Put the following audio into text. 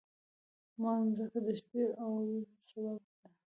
مځکه د شپې او ورځې سبب ده.